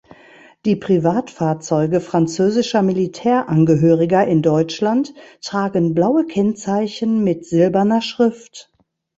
Die Privatfahrzeuge französischer Militärangehöriger in Deutschland tragen blaue Kennzeichen mit silberner Schrift.